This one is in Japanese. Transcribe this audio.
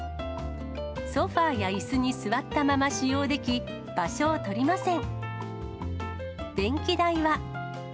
ソファやいすに座ったまま使用でき、場所を取りません。